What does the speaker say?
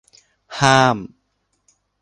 ห้าม